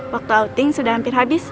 waktu outting sudah hampir habis